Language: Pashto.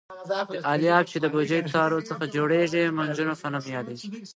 دا الیاف چې د بوجۍ له تارو څخه جوړېږي مونجو په نوم یادیږي.